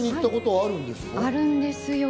あるんですよ。